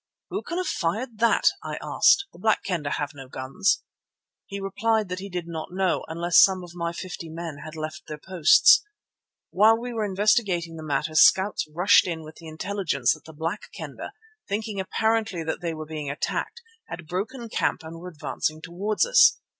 "Who can have fired that?" I asked. "The Black Kendah have no guns." He replied that he did not know, unless some of my fifty men had left their posts. While we were investigating the matter, scouts rushed in with the intelligence that the Black Kendah, thinking apparently that they were being attacked, had broken camp and were advancing towards us.